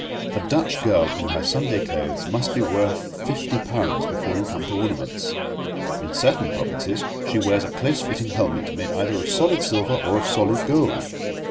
A Dutch girl in her Sunday clothes must be worth fifty pounds before you come to ornaments. In certain provinces she wears a close fitting helmet, made either of solid silver or of solid gold.